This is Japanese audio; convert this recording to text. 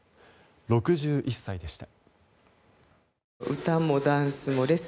６１歳でした。